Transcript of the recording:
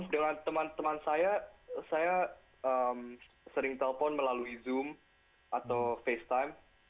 dengan teman teman saya saya sering telpon melalui zoom atau facetime